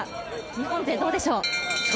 日本勢、どうでしょう？